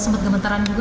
sempet gemetaran juga ga